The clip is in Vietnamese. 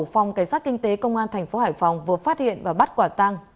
phòng cảnh sát kinh tế công an tp hải phòng vừa phát hiện và bắt quả tăng